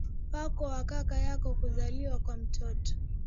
wako au kaka yako Kuzaliwa kwa mtoto